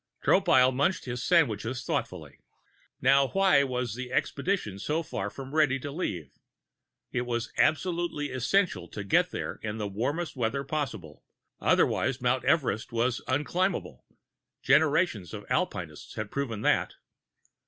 Tropile munched his sandwiches thoughtfully. Now why was the expedition so far from ready to leave? It was absolutely essential to get there in the warmest weather possible otherwise Mt. Everest was unclimbable. Generations of alpinists had proved that.